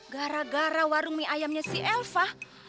gara gara warung mie ayamnya si elva